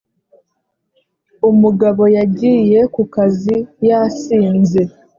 umugabo yagiye ku kazi yasinze,